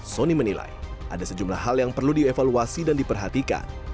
sony menilai ada sejumlah hal yang perlu dievaluasi dan diperhatikan